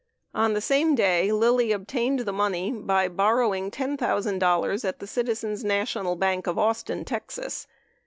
On the. same day Lilly obtained the money by borrowing $10,000 at the Citizens' National Bank of Austin, Texas.